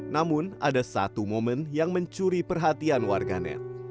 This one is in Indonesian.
namun ada satu momen yang mencuri perhatian warganet